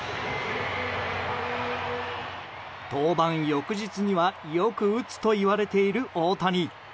翌日にはよく打つといわれている大谷。